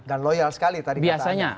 dan loyal sekali tadi katanya